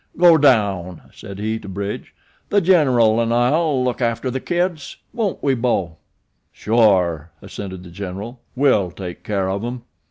"Go on down," said he to Bridge. "The General an' I'll look after the kids won't we bo?" "Sure," assented The General; "we'll take care of 'em."